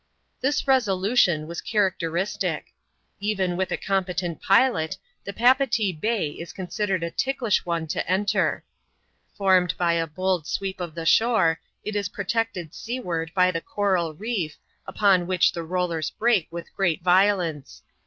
This resolution was characteristic. Even with a competent pilot, Papeetee Bay is considered a ticklish one to enter. Formed by a bold sweep of the shore, it is protected seaward by the coral reef, upon which the rollers break with great violence.